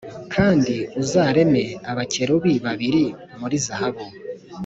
Kandi uzareme abakerubi babiri muri zahabu